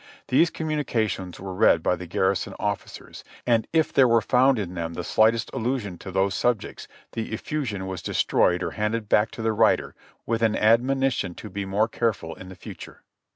These communica tions were read by the garrison officers, and if there were found in them the slightest allusion to those subjects, the effusion was destroyed or handed back to the writer with an admonition to be more careful in the future.